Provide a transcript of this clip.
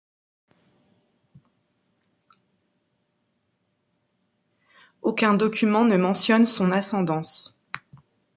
Aucun document ne mentionne son ascendance.